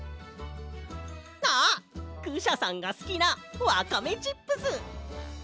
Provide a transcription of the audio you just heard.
あっクシャさんがすきなワカメチップス！